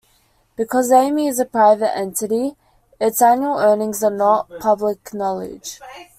Because Amy's is a private entity, its annual earnings are not public knowledge.